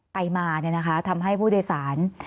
ไปมาเนี่ยนะคะทำให้ผู้โดยสาร